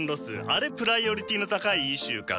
あれプライオリティーの高いイシューかと。